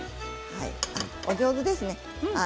お上手ですね。